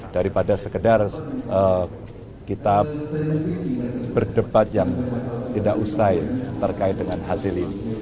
daripada sekedar kita berdebat yang tidak usai terkait dengan hasil ini